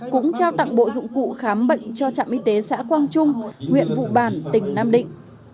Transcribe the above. cũng trao tặng bộ dụng cụ khám bệnh cho trạm y tế xã quang trung huyện vụ bản tỉnh nam định